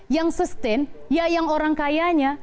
yang sustain ya yang orang kayanya